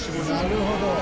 なるほど！